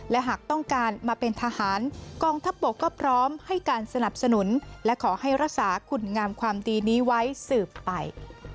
และหากต้องการมาเป็นทหารกองทัพบกก็พร้อมให้การสนับสนุนและขอให้รักษาคุณงามความดีนี้ไว้สืบไป